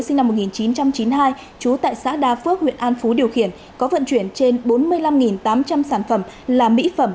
sinh năm một nghìn chín trăm chín mươi hai trú tại xã đa phước huyện an phú điều khiển có vận chuyển trên bốn mươi năm tám trăm linh sản phẩm là mỹ phẩm